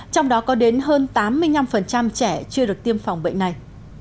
trong đó có đến hơn tám mươi năm trẻ chưa được tiêm phòng bệnh này